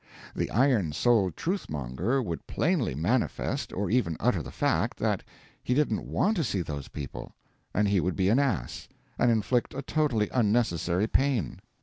The iron souled truth monger would plainly manifest, or even utter the fact, that he didn't want to see those people and he would be an ass, and inflict a totally unnecessary pain.